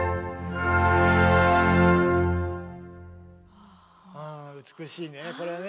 はあ美しいねこれね。